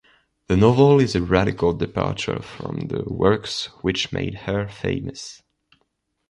The novel is a radical departure from the works which made her famous.